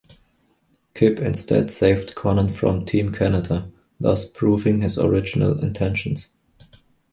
Kip instead saved Konnan from Team Canada, thus proving his original intentions.